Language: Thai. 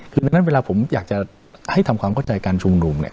คือดังนั้นเวลาผมอยากจะให้ทำความเข้าใจการชุมนุมเนี่ย